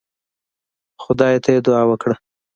خدای ته يې دعا وکړه.